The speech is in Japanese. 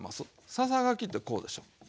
ささがきってこうでしょ。